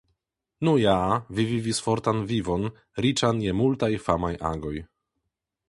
Nu ja, vi vivis fortan vivon, riĉan je multaj famaj agoj.